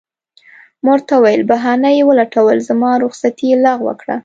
ما ورته وویل: بهانه یې ولټول، زما رخصتي یې لغوه کړه.